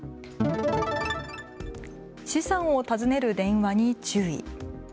資産を尋ねる電話に注意。